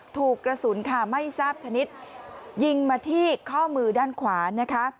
ถูกกระสุนค่ะไม่ทราบชนิดยิงมาที่ข้อมือด้านขวานะคะ